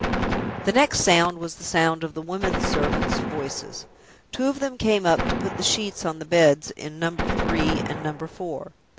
The next sound was the sound of the women servants' voices. Two of them came up to put the sheets on the beds in Number Three and Number Four.